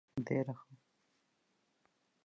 ولې پښتو زده کړه مهمه ده؟